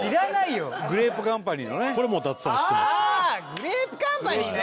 グレープカンパニーね！